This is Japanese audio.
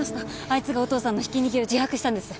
あいつがお父さんのひき逃げを自白したんです。